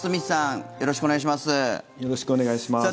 よろしくお願いします。